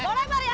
gue lempar ya